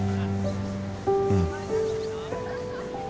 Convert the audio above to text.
うん。